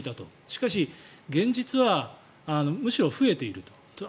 しかし、現実はむしろ増えていると。